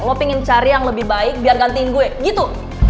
lo ingin cari yang lebih baik biar gantiin gue gitu